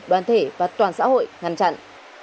đoàn thể và toàn xã hội ngăn chặn